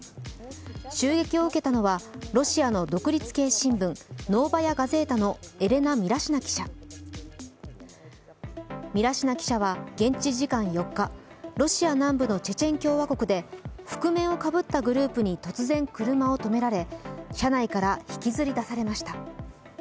襲撃を受けたのはロシアの独立系新聞「ノーバヤ・ガゼータ」のミラシナ記者は現地時間４日、ロシア南部のチェチェン共和国で覆面をかぶったグループに突然車を止められ車内から引きずり出されました。